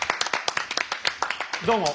どうも。